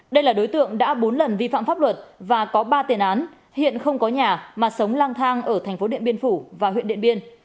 đây là đối tượng đã bốn lần vi phạm pháp luật và có ba tiền án hiện không có nhà mà sống lang thang ở thành phố điện biên phủ và huyện điện biên